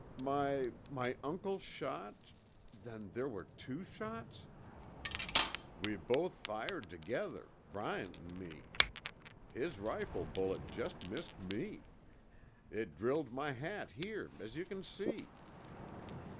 "My my uncle's shot ... then there were two shots?" "We both fired tuhgether, Bryant an' me. His rifle bullet jest missed me. It drilled my hat here, as you c'n see."